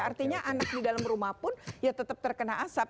artinya anak di dalam rumah pun ya tetap terkena asap